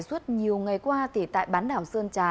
suốt nhiều ngày qua thì tại bán đảo sơn trà